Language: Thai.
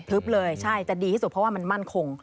เลยใช่จะดีที่สุดเพราะว่ามันมั่นคง